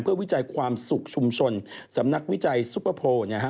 เพื่อวิจัยความสุขชุมชนสำนักวิจัยซุปเปอร์โพลนะฮะ